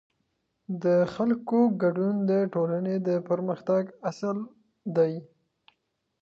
د خلکو ګډون د ټولنې د پرمختګ اصل دی